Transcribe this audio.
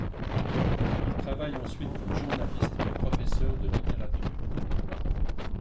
Il travaille ensuite comme journaliste et professeur de littérature.